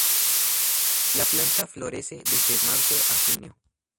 La planta florece desde marzo a junio.